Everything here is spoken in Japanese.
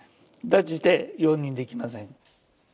断じて容認できません。